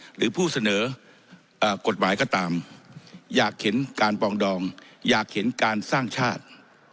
หรือผู้เสนอกฎหมายก็ตามอยากเห็นการปองดองอยากเห็นการสร้างชาติ